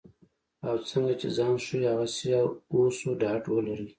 او څنګه چې ځان ښیو هغسې اوسو ډاډ ولرئ.